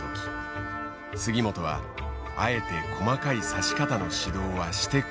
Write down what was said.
杉本はあえて細かい指し方の指導はしてこなかった。